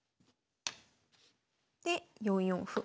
で４四歩。